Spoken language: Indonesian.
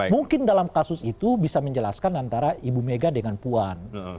mungkin dalam kasus itu bisa menjelaskan antara ibu mega dengan puan